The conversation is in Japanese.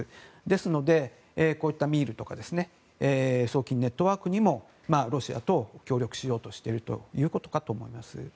ですので、こういったミールとか送金ネットワークにもロシアと協力しようとしているということかと思います。